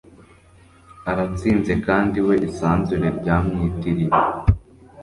Aratsinze Kandi we isanzure ryamwitiriye